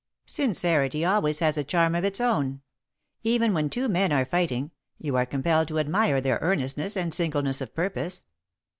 "Sincerity always has a charm of its own. Even when two men are fighting, you are compelled to admire their earnestness and singleness of purpose."